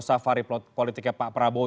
safari politiknya pak prabowo